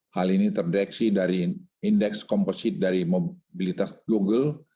hal ini terdeteksi dari indeks komposit dari mobilitas google